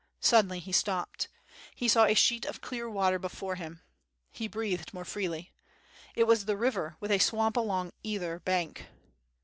Suddenly he stopped. He saw a sheet of clear water be fore him. He breathed more freely. It was the river with a swamp along either bank.